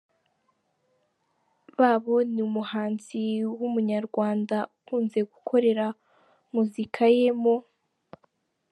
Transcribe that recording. Babo ni umuhanzi w'umunyarwanda ukunze gukorera muzika ye mu